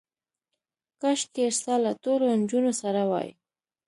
کاشکې ستا له ټولو نجونو سره وای.